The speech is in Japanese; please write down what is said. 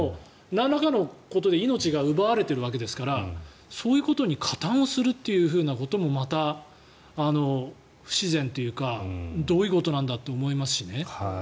、なんらかのことで命が奪われているわけですからそういうことに加担するということもまた不自然というかどういうことなんだって思いますしね。